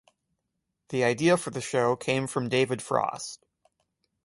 The idea for the show came from David Frost.